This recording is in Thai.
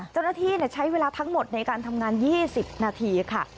เจ้าหน้าที่ใช้เวลาทั้งหมดในการทำงาน๒๐นาทีค่ะ